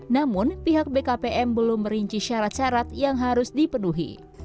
namun pihak bkpm belum merinci syarat syarat yang harus dipenuhi